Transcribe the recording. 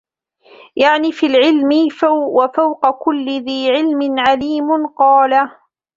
يَعْنِي فِي الْعِلْمِ وَفَوْقَ كُلِّ ذِي عِلْمٍ عَلِيمٌ قَالَ